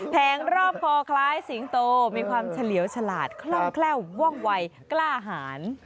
แงรอบคอคล้ายสิงโตมีความเฉลียวฉลาดคล่องแคล่วว่องวัยกล้าหาร